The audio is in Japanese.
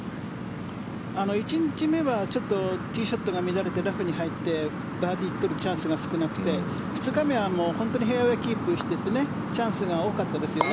１日目はちょっとティーショットが乱れてラフに入ってバーディーを取るチャンスが少なくて２日目は本当にフェアウェーをキープしていってチャンスが多かったですね。